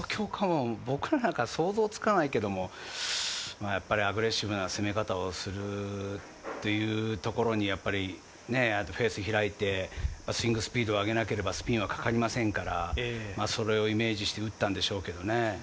どういった状況か、僕らなんか想像つかないけど、アグレッシブな攻め方をするというところで、フェースを開いて、スイングスピードを上げなければスピンはかかりませんからそれをイメージして打ったんでしょうけどね。